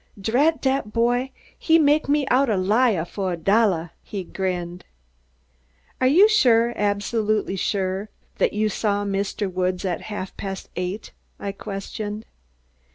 "Drat dat boy, he make me out a liah fo' a dollah," he grinned. "Are you sure, absolutely sure, that you saw Mr. Woods at half past eight?" I questioned.